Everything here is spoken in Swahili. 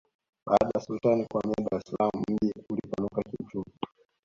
baada ya sultani kuhamia dar es salaam mji ulipanuka kiuchumi